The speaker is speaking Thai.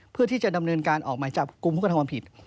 เพื่อที่จะดำเนินการออกมาจากกรุงภูมิคุณธรรมผิด